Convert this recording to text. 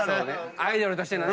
アイドルとしてのね。